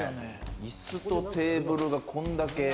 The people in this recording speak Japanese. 椅子とテーブルがこんだけ。